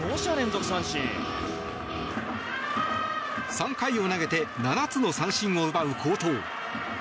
３回を投げて７つの三振を奪う好投。